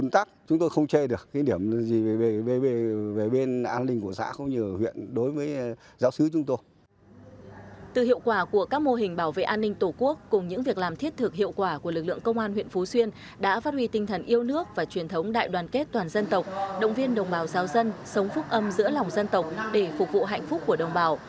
từ hiệu quả của các mô hình bảo vệ an ninh tổ quốc cùng những việc làm thiết thực hiệu quả của lực lượng công an huyện phú xuyên đã phát huy tinh thần yêu nước và truyền thống đại đoàn kết toàn dân tộc động viên đồng bào giáo dân sống phúc âm giữa lòng dân tộc để phục vụ hạnh phúc của đồng bào